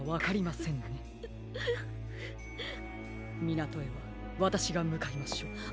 みなとへはわたしがむかいましょう。